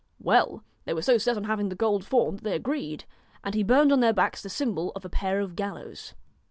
Well they were so set on having the gold fawn that they agreed, and he burned on their backs the symbol of a pair of gallows.